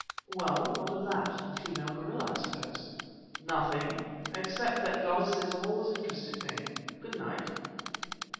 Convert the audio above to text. "Well, what of it? A female gorilla, I suppose." "Nothing, except that goddesses have always interested me. Good night."